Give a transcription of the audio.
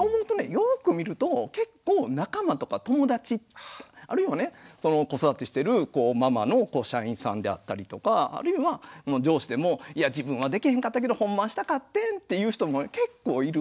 よく見ると結構仲間とか友達あるいはね子育てしてるママの社員さんであったりとかあるいは上司でもいや自分はできへんかったけどほんまはしたかってんっていう人も結構いる。